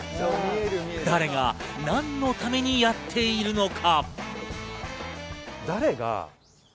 誰が何のためにやっているのか。